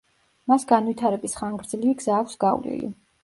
მას განვითარების ხანგრძლივი გზა აქვს გავლილი.